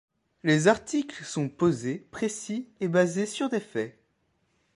Les articles sont posés, précis et basés sur des faits.